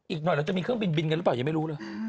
อีกหน่อยเราจะมีเครื่องบินบินกันหรือเปล่ายังไม่รู้เลย